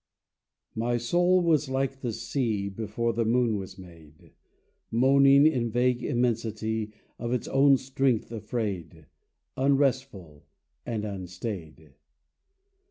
My soul was like the sea, Before the moon was made, Moaning in vague immensity, Of its own strength afraid, Unrestful and unstaid.